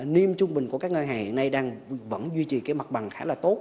niêm trung bình của các ngân hàng hiện nay đang vẫn duy trì cái mặt bằng khá là tốt